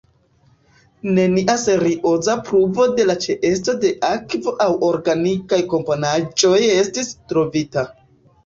Nenia serioza pruvo de la ĉeesto de akvo aŭ organikaj komponaĵoj estis trovita.